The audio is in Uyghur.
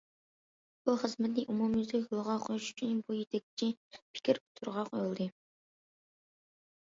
بۇ خىزمەتنى ئومۇميۈزلۈك يولغا قويۇش ئۈچۈن بۇ يېتەكچى پىكىر ئوتتۇرىغا قويۇلدى.